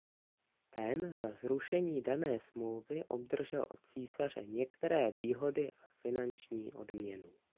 Ten za zrušení dané smlouvy obdržel od císaře některé výhody a finanční odměnu.